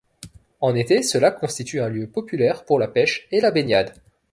En été, ce lac constitue un lieu populaire pour la pêche et la baignade.